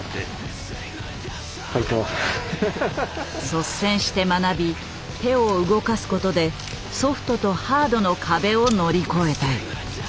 率先して学び手を動かすことでソフトとハードの壁を乗り越えたい。